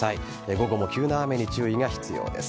午後も急な雨に注意が必要です。